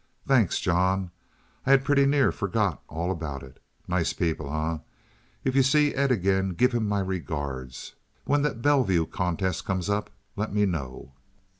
"Thanks, John. I had pretty near forgot all about it. Nice people, eh? If you see Ed again give him my regards. When that Bellville contest comes up let me know."